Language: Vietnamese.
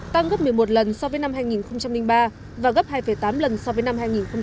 tăng gấp một mươi một lần so với năm hai nghìn ba và gấp hai tám lần so với năm hai nghìn một mươi bảy